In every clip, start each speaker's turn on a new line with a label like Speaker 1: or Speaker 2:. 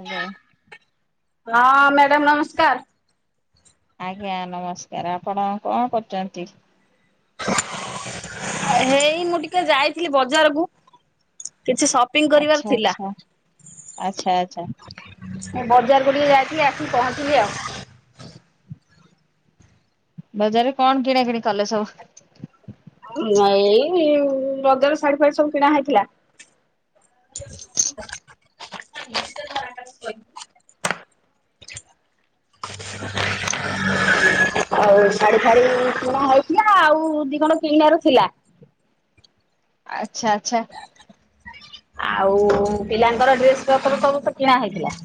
Speaker 1: Hello.
Speaker 2: ହଁ madam ନମସ୍କାର।
Speaker 1: ଆଜ୍ଞା ନମସ୍କାର। ଆପଣ କଣ କରୁଛନ୍ତି?
Speaker 2: ହେଇ ମୁଁ ଟିକେ ଯାଇଥିଲି ବଜାରକୁ କିଛି ସ [unintelligible] କରିବାର
Speaker 1: ଆଚ୍ଛା
Speaker 2: ଥିଲା।
Speaker 1: ଆଚ୍ଛା ଆଚ୍ଛା ଆଚ୍ଛା
Speaker 2: ସେ ବଜାର ଟିକେ ଯାଇଥିଲି ଆସକି ପହଞ୍ଚିଲି ଆଉ।
Speaker 1: ବଜାରରେ କଣ କିଣା କିିଣି କଲେ ସବୁ?
Speaker 2: ନାଇଁ ରଜରେ ଶାଢୀ ଫାର ସବୁ କିଣା ହେଇଥିଲା।
Speaker 1: ଇ ମରେ [unintelligible]
Speaker 2: [inaudible] [inaudible] ଆଉ ଶାଢୀ ଫାଢ କିଣା ହେଇଥିଲା ଆଉ ଦି କଣ କିଣ ର ଥିଲା
Speaker 1: ଆଚ୍ଛା। ଆଚ୍ଛା।
Speaker 2: ଆଉ ପିଲାଙ୍କର ଡ୍ରେସ ପତ ସବୁତ କିଣା ହେଇଥିଲା।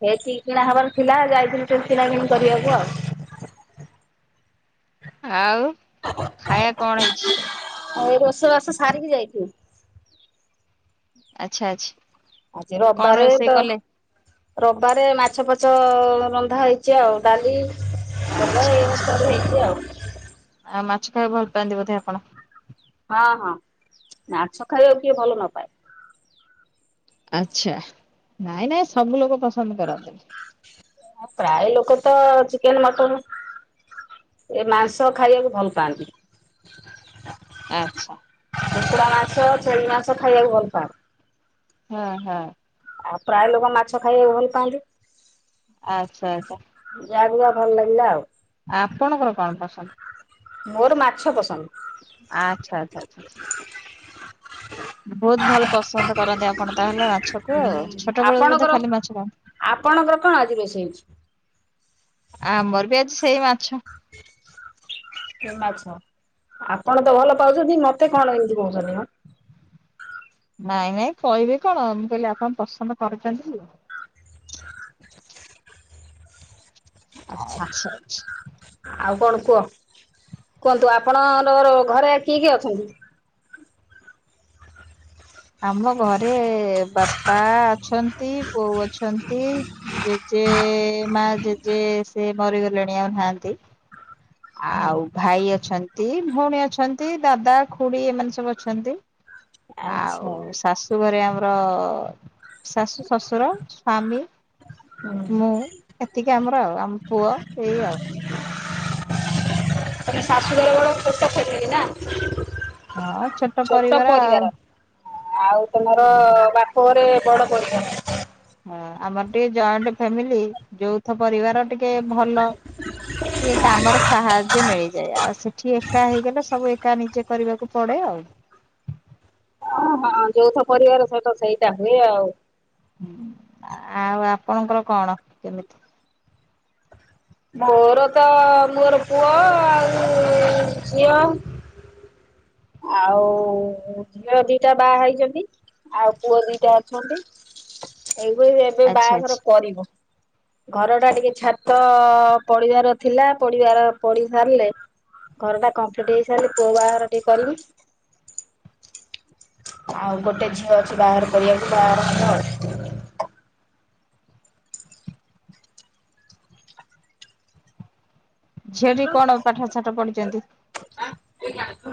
Speaker 2: ସେତି କିଣା ହବାର ଥିଲା ଯାଇଥିଲୁ ସେମ କିଣା କିଣି କରିବାକୁ ଆଉ।
Speaker 1: ଆଉ ଖାଇବା କଣ ହେଇଛି?
Speaker 2: ଆଉ ଏଇ ରଷ ବାସ ସାରିକି ଯାଇଥିବୁ।
Speaker 1: ଆଚ୍ଛା ଆ୍ଛା।
Speaker 2: ଆଜି ରବିବାରେ ତ ରବାରେ ମାଛଫାଛ ରନ୍ଧା ହେଇଛି ଆଉ, ଡାଲି ଭଜା
Speaker 1: ଆଚ୍ଛା
Speaker 2: ଏଇଆ ସବୁ
Speaker 1: ଆଚଛା
Speaker 2: ହେଇଛି ଆଉ
Speaker 1: ଆଉ ମାଛ ଖାଇବାକୁ ଭଲ ପାଆନ୍ତି ବୋଧେ ଆପଣ?
Speaker 2: ହଁ ହଁ। ମାଛ ଖାଇବାକୁ କିଏ ଭଲ ନପାଏ।
Speaker 1: ଆଚଛା ନାଇଁ ନାଇଁ ସବୁ ଲୋକ ପସନ୍ଦ କରନ୍ତିନି।
Speaker 2: ପ୍ରାୟ ଲୋକ ତ ଚିକେନ ମଟନ୍ ଏ ମାଂସ ଖାଇବାକୁ ଭଲ ପାଆନ୍ତି।
Speaker 1: ଆଚ୍ଛା।
Speaker 2: କୁକୁଡା ମାସ, ଛେଳି ମାସ, ଖାଇବାକୁ ଭଲ ପାଉ।
Speaker 1: ହଁ, ହଁ।
Speaker 2: ଆଉ ପ୍ରାୟ ଲୋକ ମାଛ ଖାଇବାକୁ ଭଲ ପାଆନ୍ତି।
Speaker 1: ଆଚ୍ଛା। ଆଚ୍ଛା।
Speaker 2: ଯାହାକୁ ଯିବା ଭଲ ଲାଗିଲା ଆଉ।
Speaker 1: ଆପଣଙ୍କର କଣ ପସନ୍ଦ?
Speaker 2: ମୋର ମାଛ ପସନ୍ଦ।
Speaker 1: ଆଚ୍ଛା ଆଚ୍ଛା। ଆଛ।
Speaker 2: [inaudible]
Speaker 1: ବହୁତ ଭଲ ପସନ୍ଦ କରନ୍ତି ଆପଣ ତାହେଲେ ମାଛକୁ ଆ ଛୋଟ ବେଳ
Speaker 2: ଆପଣଙ୍କର
Speaker 1: ତ ଖାଲି ମାଛ ଖଆନ୍ତି।
Speaker 2: ଆପଣଙ୍କର କଣ ଆଜି ରଷ ହେଇଛି?
Speaker 1: ଆମର ବି ଆଜି ସେଇ ମାଛ।
Speaker 2: ମାଛ ଆପଣ ତ ଭଲ ପାଉଛନ୍ତି। ମତେ କଣ ଏମିତି କହୁଛନ୍ତି ମ?
Speaker 1: ନାଇଁ ନାଇଁ କହିବି କଣ ମୁଁ କହିଲି ଆପଣ ପସନ୍ଦ କରୁଛନ୍ତି।
Speaker 2: ଆଚ୍ଛା। ଆଉ କଣ କୁହ କୁହନ୍ତୁ? ଆପଣ ଘରେ କିଏ କିଏ ଅଛନ୍ତି?
Speaker 1: ଆମ ଘରେ ବାପା ଅଛନ୍ତି। ବୋଉ ଅଛନ୍ତି। ଜେଜେ ମା ଜେଜେ ସେ ମରିଗଲେଣି ଆଉ ନାହାନ୍ତି। ଆଉ ଭାଇ ଅଛନ୍ତି ଭଉଣୀ ଅଛନ୍ତି ଦାଦା ଖୁଡି ଏମାନେ ସବୁ ଅଛନ୍ତି। [inaudible] ଆଉ
Speaker 2: ଆ୍ଛା।
Speaker 1: ଶାଶୁ ଘରେ ଆମର ଶାଶୁ ଶ୍ୱଶୁର ସ୍ଵାମୀ।
Speaker 2: ହୁଁ
Speaker 1: ମୁଁ ଏତିକି ଆମର ଆଉ ଆମ ପୁଅ ଏଇ ଆଉ
Speaker 2: ତମ ଶାଶୁଘର ବଡ଼ ଛୋଟ ଫ୍ୟାମିଲି ନା?
Speaker 1: ହଁ ଛୋଟ ପରିବାର ଆଉ।
Speaker 2: ଆଉ ତମର ବାପ ଘରେ ବଡ଼ ପରିବାର।
Speaker 1: ହଁ ଆମର ଟିକେ ଜଏଣ୍ଟ ଫ୍ୟାମିଲି ଯୋଥ ପରିବାର ଟିକେ ଭଲ ଟିକେ କାମରେ ସାହାଯ୍ୟ ମିଳିଯାଏ ଆଉ ସେଠି ଏକା ହେଇଗଲେ ସବୁ ଏକା ନିଜେ କରିବାକୁ ପଡେ ଆଉ।
Speaker 2: ଓ ହଁ ଯୌଥ ପରିବାର ସହିତ ସେଇଟା ହୁଏ ଆଉ।
Speaker 1: ଆ ଆଉ ଆପଣଙ୍କର କଣ କେମିତି?
Speaker 2: ମୋର ତ ମୋର ପୁଅ ଆଉ ଝିଅ। ଆଉ ଝିଅ ଦିଟା ବାହା ହେଇଛନ୍ତି ଆଉ ପୁଅ ଦିଟା ଅଛନ୍ତି। ଏବେ ଏବେ
Speaker 1: ଆଚ୍ଛା
Speaker 2: ବାହାଘର
Speaker 1: ଆଚ୍ଛା
Speaker 2: କରିବ। ଘରଟା ଟିକେ ଛାତ ପଡିବାର ଥିଲା ପଡିବାର ପଡ଼ି ସାରିଲେ ଘରଟା କମ୍ପ୍ଲିଟ ହେଇସାରିଲେ ପୁଅ ବାହାଘର ଟିକେ କରିବି। ଆଉ ଗୋଟେ ଝିଅ ଅଛି ବାହାଘର କରିବାକୁ ବାହାଘର ହେବ ଆଉ
Speaker 1: ଝିଅଟି କଣ ପାଠସାଠ ପଢିଛନ୍ତି?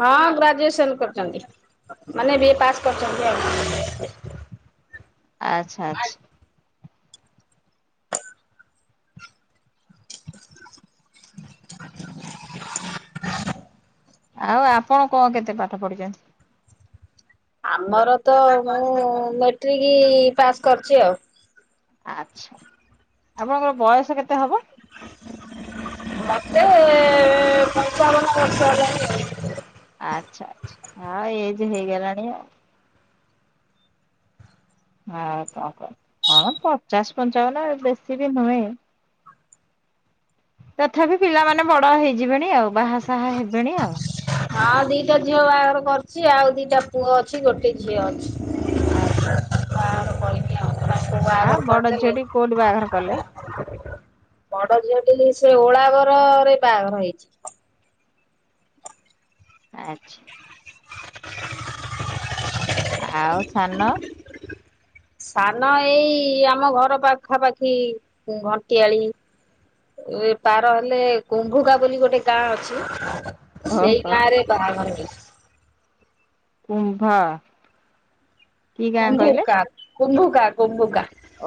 Speaker 2: ହଁ ଗ୍ରାଜୁଏସନ କରିଛନ୍ତି ମାନେ ବିଏ ପାସ୍ କରିଛନ୍ତି ଆଉ।
Speaker 1: ଆଚ୍ଛା ଆଚ୍ଛା! ଆଉ ଆପଣ କଣ କେତେ ପାଠ ପଢିଛନ୍ତି?
Speaker 2: ଆମର ତ ମୁଁ ମେଟ୍ରିକ ପାସ୍ କରିଛି ଆଉ।
Speaker 1: ଆଚ୍ଛା ଆପଣଙ୍କର ବୟସ କେତେ ହବ?
Speaker 2: ମତେ ପଞ୍ଚାବନ ବର୍ଷ ହେଲାଣି। ଆଉ।
Speaker 1: ଆଚ୍ଛା ଆଚ୍ଛା ହଁ ଏଜ ହେଇଗଲାଣି ଆଉ। ହଁ କଣ କରିବା ହଁ ପଚାଶ ପଞ୍ଚାବନ ବେଶୀ ବି ନୁହେଁ। ତଥାପି ପିଲାମାନେ ବଡ ହେଇଯିବେଣି ଆଉ ବାହାସାହା ହେବେଣି ଆଉ।
Speaker 2: ହଁ ଦିଟା ଝିଅ ବାହାଘର କରିଛି ଆଉ ଦିଟା ପୁଅ ଅଛି ଗୋଟେ ଝିଅ ଅଛି।
Speaker 1: ଆଚ୍ଛା ଆଚ୍ଛା।
Speaker 2: ବାହାଘର କରିବି।
Speaker 1: ଆଁ ବଡ ଝିଅଟି କୋଉଠି ବାହାଘର କଲେ?
Speaker 2: ବଡ଼ ଝିଅଟି ସେ ଓଳାଭରରେ ବାହାଘର ହେଇଛି।
Speaker 1: ଆଚ୍ଛା। ଆଉ ସାନ?
Speaker 2: ସାନ ଏଇ ଆମ ଘର ପାଖାପାଖି ଘଣ୍ଟିଆଳି ଏ ପାର ହେଲେ କୁମ୍ଭୁଗା ବୋଲି ଗୋଟେ ଗାଁ ଅଛି। ସେଇ
Speaker 1: ଓହୋ
Speaker 2: ଗାଁ ରେ ବାହାଘର
Speaker 1: କୁମ୍ଭା
Speaker 2: କୁମ୍ଭୁକା କୁମ୍ଭୁକା କୁମ୍ଭୁକା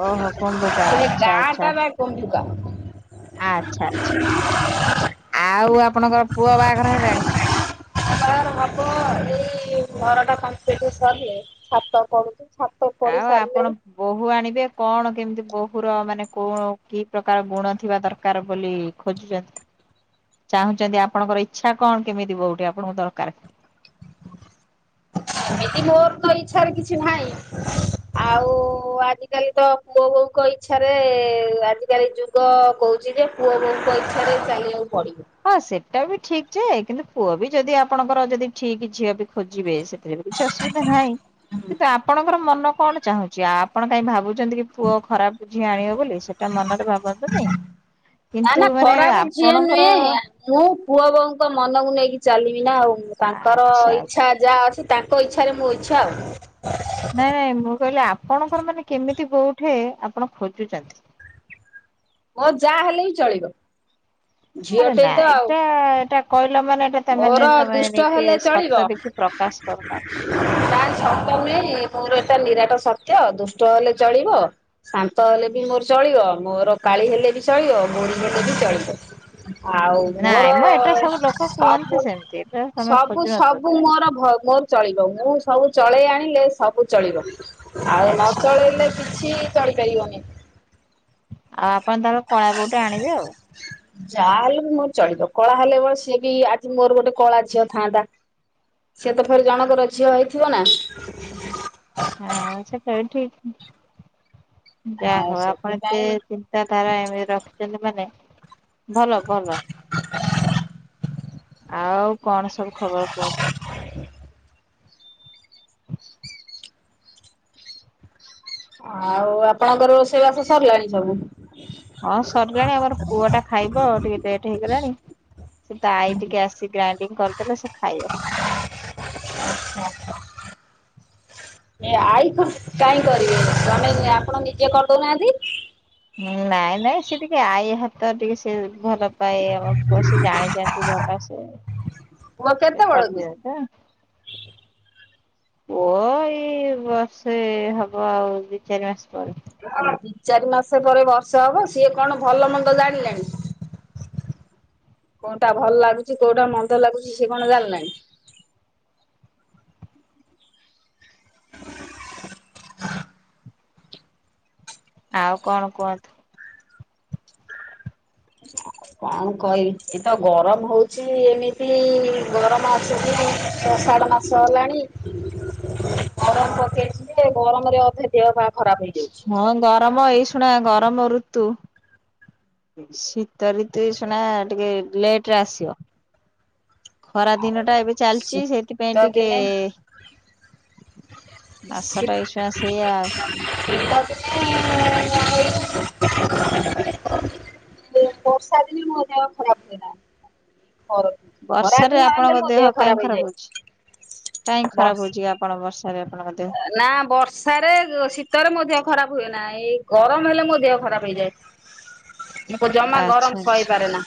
Speaker 1: ଓହୋ କୁମ୍ଭୁକା
Speaker 2: ହେଲେ
Speaker 1: ଆଚ୍ଛା
Speaker 2: ଗାଁ
Speaker 1: ଆଚ୍ଛା
Speaker 2: ଟା ବା କୁନ୍ଧୁକା।
Speaker 1: ଆଚ୍ଛା ଆଚ୍ଛା ଆଉ ଆପଣଙ୍କର ପୁଅ ବାହାଘର ହେଲାଣି?
Speaker 2: ହଁ ହେବା ଏଇ ଘରଟା କମ୍ପଲିଟ ସରିଲେ ଛାତ ପଢୁଛି।
Speaker 1: ଆଉ ଆପଣ ବୋହୂ ଆଣିବେ କଣ କେମିତି ବୋହୂର ମାନେ କୋଣ କି ପ୍ରକାର ଗୁଣ ଥିବା ଦରକାର ବୋଲି ଖୋଜୁଛନ୍ତି? ଚାହୁଁଛନ୍ତି ଆପଣଙ୍କର ଇଚ୍ଛା କଣ କେମିତି ବୋହୁ ଟିଏ ଆପଣଙ୍କୁ ଦରକାର?
Speaker 2: ଏମିତି ମୋର ତ ଇଚ୍ଛାରେ କିଛି ନାହିଁ। ଆଉ ଆଜିକାଲି ତ ପୁଅ ବୋଉଙ୍କ ଇଚ୍ଛାରେ ଏ ଆଜିକାଲି ଯଉ ଯୁଗ କହୁଛି ଯେ ପୁଅ ବୋହୂଙ୍କ ଇଚ୍ଛାରେ ଚାଲିବାକୁ ପଡିବ।
Speaker 1: ହଁ ସେଟା ବି ଠିକ ଯେ କିନ୍ତୁ ପୁଅ ବି ଯଦି ଆପଣଙ୍କର ଯଦି ଠିକ ଝିଅ ବି ଖୋଜିବେ ସେ ସେଥିରେ କିଛି ଅସୁବିଧା ନାହିଁ କିନ୍ତୁ ଆପଣଙ୍କର ମନ କଣ ଚାହୁଁଛି ଆପଣ କାଇଁ ଭାବୁ ଭାବୁଛନ୍ତି କି ପୁଅ ଖରାପ ଝିଅ ଆଣିବ ବୋଲି ସେଟା ମନରେ ଭାବ [unintelligible] ନ୍ତୁ ନି
Speaker 2: ନା
Speaker 1: କିନ୍ତୁ
Speaker 2: ନା
Speaker 1: ମାନେ
Speaker 2: ଖରାପ ଝିଅ
Speaker 1: ଆପଣଙ୍କ
Speaker 2: ମୁଁ ପୁଅ ବୋଉ ଙ୍କ ମନକୁ ନେଇକି ଚାଲିବି ନା ଆଉ। ପା ତାଙ୍କର
Speaker 1: ଆଚ୍ଛା ଆଚ୍ଛା
Speaker 2: ଇଚ୍ଛା ଯାହା ଅଛି ତାଙ୍କ ଇଚ୍ଛାରେ ମୁଁ ଇଚ୍ଛା ଆଉ।
Speaker 1: ନାଇଁ ନାଇଁ ମୁଁ କହିଲି ଆପଣଙ୍କର ମାନେ କେମିତି କୋଉଠେ ଆପଣ ଖୋଜୁଛନ୍ତି।
Speaker 2: ମୋର ଯାହା ହେଲେ ବି ଚଳିବ।
Speaker 1: ଆରେ
Speaker 2: ଝିଅଟେ ତ
Speaker 1: ନାଇ
Speaker 2: ଆଉ
Speaker 1: ଏଇଟା ଏଇଟା କହିଲ ମାନେ ତା ମାନେ
Speaker 2: ମୋର
Speaker 1: ତମେ
Speaker 2: ଦୁଷ୍ଟ
Speaker 1: ନିଜେ
Speaker 2: ହେଲେ
Speaker 1: ସତ କିଛି ପ୍ରକାଶ କରୁନାହାନ୍ତି।
Speaker 2: ନା ସତ ନୁହେଁ ମୋର ଏଟା ନିରାଟ ସତ୍ୟ ଦୁଷ୍ଟ ହେଲେ ଚଳିବ। ଶାନ୍ତ ହେଲେ ବି ମୋର ଚଳିବ। ମୋର କାଳି ହେଲେ ବି ଚଳିବ ବୋଢ ହେଲେ ବି ଚଳିବ। ଆଉ
Speaker 1: ନାଇଁ
Speaker 2: ମୋର
Speaker 1: ମ ଏଟା ସବୁ ଲୋକ କୁହନ୍ତି
Speaker 2: ସବୁ
Speaker 1: ସେମିତି ଏଟା ତମେ
Speaker 2: ସବୁ
Speaker 1: ଖୋଜୁନଥିବ
Speaker 2: ସବୁ
Speaker 1: କେବେ।
Speaker 2: ମୋର ମୋର। ଚଳିବ ମୁଁ ସବୁ ଚଳେଇ ଆଣିଲେ ସବୁ ଚଳିବ ଆଉ ନ
Speaker 1: ଆଚ୍ଛା
Speaker 2: ଚଳେଇଲେ କିଛି ଚଳି ପାରିବନି।
Speaker 1: ଆଉ ଆପଣ ତାଙ୍କ କଳା ବୋଉଟେ ଆଣିବେ ଆଉ।
Speaker 2: ଯାହା ହେଲେ ବି ମୋର ଚଳିବ। କଳା ହେଲେଳ ସିଏ ବି ଆଜି ମୋର ଗୋଟେ କଳା ଝିଅ ଟେ ଥାଆନ୍ତା। ସିଏ ତ ଫେରେ ଜଣଙ୍କର ଝିଅ ହେଇଥିବ ନା।
Speaker 1: ହଁ ସେଟା ବି ଠିକ୍ ଯାହା
Speaker 2: ଆଉ
Speaker 1: ହୋଉ ଆପଣ
Speaker 2: ସେଥିପାଇଁ
Speaker 1: ଏତେ ତାରା ଏମିତି ରଖିଛନ୍ତି ମାନେ। ଭଲ ଭଲ ଆଉ କଣ ସବୁ ଖବର କହୁ?
Speaker 2: ଘ ଆଉ ଆପଣଙ୍କର ରୋସେଇବାସ ସରିଲାଣି ସବୁ?
Speaker 1: ହଁ ସରିଲାଣି ଆମର ପୁଅ ଟା ଖାଇବ ଆଉ ଟିକେ ଲେଟ୍ ହେଇଗଲାଣି ସେ ତାଈ ଟିକେ ଆସି ଗ୍ରାଇଣ୍ଡିଙ୍ଗ କରିଦେଲେ ସେ ଖାଇବ।
Speaker 2: ଏ ଆଇ କାଇଁ କରିବେ ନିଯେ ଆମେ ଆପଣ ନିଜେ କରିଦୋଉନାହାନ୍ତି।
Speaker 1: ନାଇଁ ନାଇଁ ସେ ଟିକେ ଆଈ ହାତ ଟିକେ ସେ ଭଲ ପାଇଁ ଆମ ପୁଅ ସେ ଜାଣିଛନ୍ତି ଭଲ
Speaker 2: ପୁଅ
Speaker 1: ସିଏ
Speaker 2: କେତେ ବଡ କି?
Speaker 1: କରିଦିଅ ତ। ପୁଅ ଏଇ ବର୍ଷେ ହବ ଆଉ ଦି ଚାରି ମାସ ପରେ।
Speaker 2: ଆଉ ଦି ଚାରି ମାସ ପରେ ବର୍ଷା ହବ ସିଏ କଣ ଭଲ ମନ୍ଦ ଜାଣିଲାଣି। କୋଉଟା ଭଲ ଲାଗୁଛି କୋଉଟା ମନ୍ଦ ଲାଗୁଛି ସେ କଣ ଜାଣିଲାଣି।
Speaker 1: ଆଉ କଣ କୁହନ୍ତୁ?
Speaker 2: କଣ କହିବି ଏଇତ ଗରମ ହଉଚି ଏମିତି ଗରମ ଆସୁଚି ଯେ ଆଷାଢ ମାସ। ସଲାଣି ଆରାମ ପକେଇଛି ଯେ ଗରମରେ ଅଧେ ଦେହ ପା ଖରାପ ହେଇଯାଉଛି।
Speaker 1: ହଁ ଗରମ ଏଇ ଶୁଣା ଗରମ ଋତୁ। ଶୀତ ଋତୁ ଶୁଣା ଟିକେ ଲେଟ ରେ ଆସିବ। ଖରା
Speaker 2: ଆଉ
Speaker 1: ଦିନ ଟା ଏବେ ଚାଲିଛି ସେଥିପାଇଁ
Speaker 2: ଶୀତ
Speaker 1: ଟିକେ
Speaker 2: ଦିନେ ଶୀ
Speaker 1: ମାସଟା ଛୁଣା ସେଇଆ ଆଉ।
Speaker 2: ଶୀତ ଦିନେ ବର୍ଷା ଦିନେ ମୋ ଦେହ ଖରାପ ହୁଏନା। ଖରା
Speaker 1: ବର୍ଷାରେ
Speaker 2: ଦିନ ହେଲେ
Speaker 1: ଆପଣଙ୍କ
Speaker 2: ମୋ
Speaker 1: ଦେହ କାଇହିଁ ଖରାପ
Speaker 2: ହେଇଯାଏ
Speaker 1: ହଉଛି କାହିଁ ଖରାପ
Speaker 2: ବର୍ଷ
Speaker 1: ହଉଛି। କିଏ ଆପଣ ବର୍ଷାରେ ଆପଣଙ୍କ ଦେହ
Speaker 2: ନା ବର୍ଷାରେ ଶୀତରେ ମୋ ଦେହ ଖରାପ ହୁଏ ନା। ଏଇ ଗରମ ହେଲେ ମୋ ଦେହ ଖରାପ ହେଇଯାଏ ମୁଁ ତ ଜମା
Speaker 1: ଆଚ୍ଛା
Speaker 2: ଗରମ
Speaker 1: ଆଚ୍ଛା।
Speaker 2: ସହି ପାରେ ନା।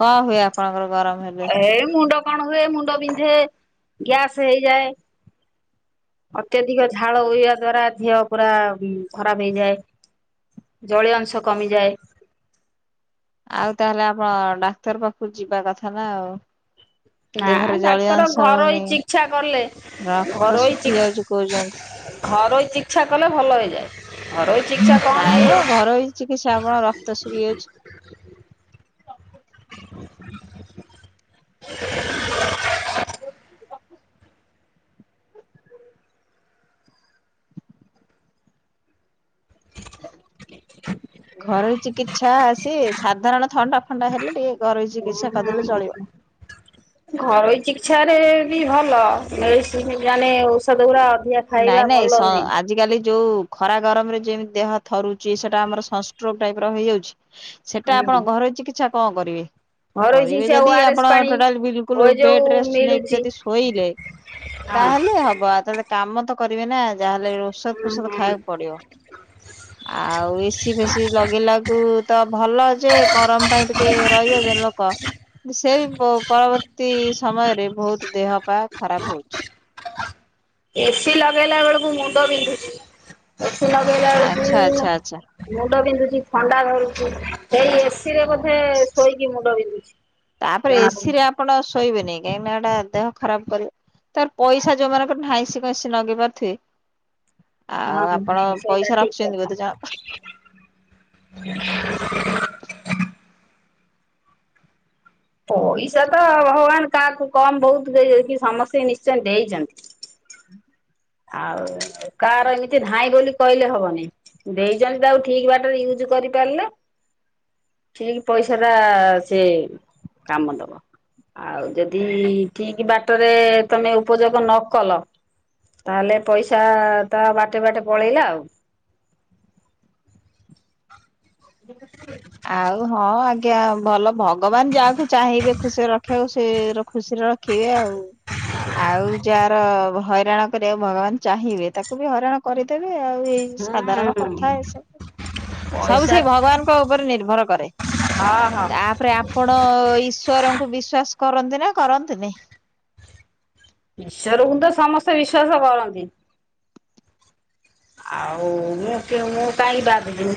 Speaker 1: କଣ ହୁଏ ଆ
Speaker 2: ଏ ମୁଣ୍ଡ କଣ ହୁଏ ମୁଣ୍ଡ ବିନ୍ଧେ ଗ୍ୟାସ ହେଇଯାଏ। ଅତ୍ୟଧିକ ଝାଳ ବୋହିବା ଦ୍ଵାରା ଦିହ ପୁରା ଖରାପ ହେଇଯାଏ ଜଳୀୟ ଅଂଶ କମିଯାଏ।
Speaker 1: ଆଉ ତାହେଲେ ଆପଣ ଡାକ୍ତର ପାଖକୁ ଯିବା କଥା ନା ଆଉ।
Speaker 2: ନା
Speaker 1: ଦେହରେ ଜଳୀୟ
Speaker 2: ଡାକ୍ତର
Speaker 1: ଅଂଶ
Speaker 2: ଘରଇ
Speaker 1: ରହୁନି
Speaker 2: ଚିକିତ୍ସା କଲେ।
Speaker 1: ରକ୍ତ
Speaker 2: ଘରୋଇ
Speaker 1: ଶୁଖି ଯାଉଛି କହୁଛନ୍ତି।
Speaker 2: ଘରୋଇ ଚିକିତ୍ସା କଲେ ଭଲ ହେଇଯାଏ। ଘରୋଇ ଚିକିତ୍ସା କଣ
Speaker 1: ନାଇଁ ମୋ
Speaker 2: ଏଇ
Speaker 1: ଘରୋଇ ଚିକିତ୍ସା ହବ ରକ୍ତ ଶୁଖି ଯାଉଚି। ଘରୋଇ ଚିକିତ୍ସା ସେ ସାଧାରଣ ଥଣ୍ଡା ଫଣ୍ଡା ହେଲେ ଟିକେ ଘରୋଇ ଚିକିତ୍ସା କରିଦେଲେ ଚଳିବ।
Speaker 2: ଘରୋଇ ଚିକିତ୍ସା ରେ ବି ଭଲ। ମେଡିସିନ ମାନେ ଔଷଧ ଗୁଡା ଅଧିକା ଖାଇବା ଭଲ ନୁହେଁ।
Speaker 1: ଆଜି କାଲି ଯୋଉ ଖରା ଗରମ ରେ ଯେମିତି ଦେହ ଥରୁଚି ସେଟା ଆମର ସଂଷ୍ଟ୍ରୋକ ଟାଇପ ର ହେଇଯାଉଚି ସେଟା
Speaker 2: ହୁଁ
Speaker 1: ଆପଣ ଘରୋଇ ଚିକିତ୍ସା କଣ କରିବେ?
Speaker 2: ଘରୋଇ
Speaker 1: କରିବେ
Speaker 2: ଚିକିତ୍ସା ଓ
Speaker 1: ଯଦି
Speaker 2: ଆର ଏସ୍
Speaker 1: ଆପଣ
Speaker 2: ପାଣି
Speaker 1: ଟୋଟାଲ
Speaker 2: ଓ
Speaker 1: ବିଲକୁଲ
Speaker 2: ଏ ଯୋଉ
Speaker 1: ବେଡ ରେଷ୍ଟ ନେଇକି
Speaker 2: ମିଳୁଛି
Speaker 1: ଯଦି ଶୋଇଲେ
Speaker 2: ହଁ।
Speaker 1: ତାହେଲେ ହବ। ଆ ତ ଏ କାମ ତ କରିବେ ନା ଯାହାହେଲେ ଔଷଧ
Speaker 2: ହୁଁ
Speaker 1: ଫୋଷଧ
Speaker 2: ହୁଁ
Speaker 1: ଖାଇବାକୁ ପଡିବ। ଆଉ ଏସିି ଫେସି ଲଗେଇଲା କୁ ତ ଭଲ ଯେ ଗରମ ପାଇଁ ଟିକେ ରହି ଯାଉଚନ୍ତି ଲୋକ। ସେ ପ ପରବର୍ତ୍ତୀ ସମୟରେ ବହୁତ ଦେହ ପା ଖରାପ ହଉଚି।
Speaker 2: ଏ ସି ଲଗେଇଲା ବେଳକୁ ମୁଣ୍ଡ ବିନ୍ଧୁଚି, ଏ ସି ଲଗେଇଲା
Speaker 1: ଆଚ୍ଛା ଆଚ୍ଛା ଆଚ୍ଛା
Speaker 2: ବେଳକୁ ମୁଣ୍ଡ ବିନ୍ଧୁଚି ଥଣ୍ଡା ଧରୁଚି ସେଇ ଏ ସି ରେ ବୋଧେ
Speaker 1: ହଁ।
Speaker 2: ଶୋଇକି ମୁଣ୍ଡ ବିନ୍ଧୁଚି।
Speaker 1: ତାପରେ ଏ ସିି ରେ ଆପଣ ଶୋଇବେନି କାହିଁକିନା ଏଟା ଦେହ ଖରାପ କରିବ। ତାର ପଇସା ଯୋଉମାନଙ୍କର ନାହିଁ ସେ କ ଏ ସି ଲଗେଇ ପାରୁଥିବେ? ଆଉ
Speaker 2: ହଁ
Speaker 1: ଆପଣ
Speaker 2: ହଁ ସେଇଟା
Speaker 1: ପଇସା
Speaker 2: ଠିକ
Speaker 1: ରଖିଚନ୍ତି
Speaker 2: କଥା।
Speaker 1: ବୋଧେ ଜଣାପ
Speaker 2: ପଇସା ତ ଭଗବାନ କାହାକୁ କମ ବହୁତ ଦେଇକି ସମସ୍ତେ ନିଶ୍ଚୟ ଦେଇଚନ୍ତି। ଆଉ କାହାର ଏମିତି ନାଇଁ ବୋଲି କହିଲେ ହବନେଇଁ। ଦେଇଚନ୍ତି ତାକୁ ଠିକ ବାଟରେ ୟୁଜ କରିପାରିଲେ ଠିକ ପଇସା ଟା ସେ କାମ ଦବ। ଆଉ ଯଦି ଠିକ ବାଟରେ ତମେ ଉପଯୋଗ ନ କଲ ତାହେଲେ ପଇସା ତା ବାଟେ ବାଟେ ପଳେଇଲା ଆଉ।
Speaker 1: ଆଉ ହଁ ଆ ଜ୍ଞା ଭଲ ଭଗବାନ ଯାହାକୁ ଚାହିଁବେ ଖୁସି ରଖିବାକୁ ସେ ର ଖୁସିରେ ରଖିବେ ଆଉ। ଆଉ ଯାହାର ହଇରାଣ କରିବାକୁ ଭଗବାନ ଚାହିଁବେ, ତାକୁ ବି ହଇରାଣ କରିଦେବେ ଆଉ ଏଇ ସାଧାରଣ
Speaker 2: ହୁଁ
Speaker 1: କଥା ଏସବୁ। ସବୁ
Speaker 2: ପଇସା
Speaker 1: ସେଇ ଭଗବାନଙ୍କ ଉପରେ ନିର୍ଭର କରେ।
Speaker 2: ହଁ ହଁ
Speaker 1: ତା ପରେ ଆପଣ ଈଶ୍ୱରଙ୍କୁ ବିଶ୍ଵାସ କରନ୍ତି ନା କରନ୍ତିନି?
Speaker 2: ଈଶ୍ୱରକୁ ତ ସମସ୍ତେ ବିଶ୍ୱାସ କରନ୍ତି। ଆଉ ମୁଁ ମୁଁ କହିଁ ବାଦ ଜିମି?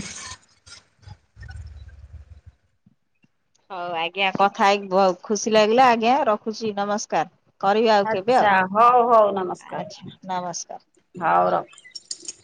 Speaker 1: ହଉ ଆଜ୍ଞା କଥା ହେଇକି ବୋ ଖୁସି ଲାଗିଲା ଆଜ୍ଞା ରଖୁଚି ନମସ୍କାର। କରିବି ଆଉ କେବେ ଆଉ
Speaker 2: ଆଛା ହଉ ହଉ ନମସ୍କାର ହଉ ରଖ।